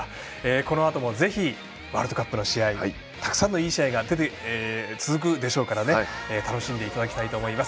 このあとも、ぜひワールドカップの試合たくさんのいい試合が続くでしょうから楽しんでいただきたいと思います。